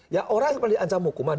ya orang yang pernah diancam hukuman